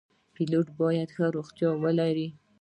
پیلوټ باید ښه روغتیا ولري.